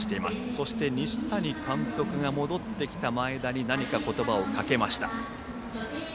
そして西谷監督が戻ってきた前田に何か言葉をかけました。